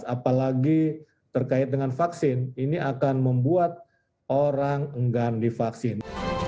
apalagi terkait dengan vaksin ini akan membuat orang enggan divaksin